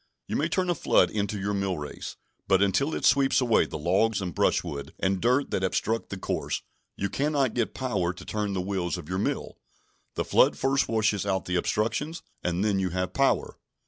You may turn a flood into your millrace, but until it sweeps away the logs and brushwood and dirt that obstruct the course, you cannot get power to turn the wheels of your mill. The flood first washes out the obstructions, and then you have power.